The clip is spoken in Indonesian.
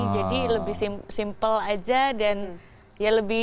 jadi lebih simple aja dan ya lebih